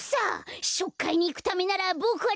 ししょくかいにいくためならボクは